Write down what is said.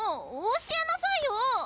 教えなさいよ！